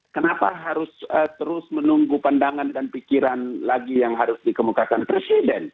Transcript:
kenapa harus terus menunggu pandangan dan pikiran lagi yang harus dikemukakan presiden